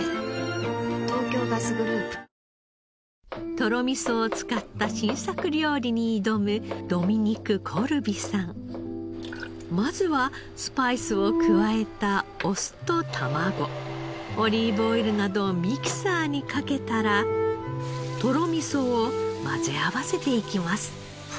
とろみそを使った新作料理に挑むまずはスパイスを加えたお酢と卵オリーブオイルなどをミキサーにかけたらとろみそを混ぜ合わせていきます。